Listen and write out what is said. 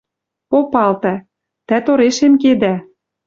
Попалта. — Тӓ торешем кедӓ.